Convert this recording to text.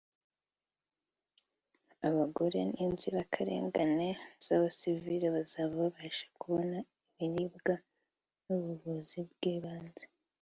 abagore n’inzirakarengane z’abasivili bazaba babasha kubona ibiribwa n’ubuvuzi bw’ibanze